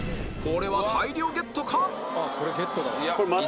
これは大量ゲットか？